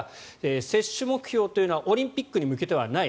接種目標というのはオリンピックに向けてはない。